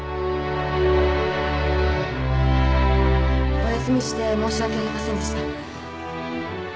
お休みして申し訳ありませんでした。